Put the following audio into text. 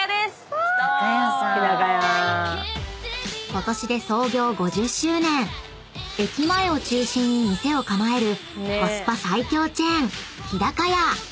［ことしで創業５０周年駅前を中心に店を構えるコスパ最強チェーン］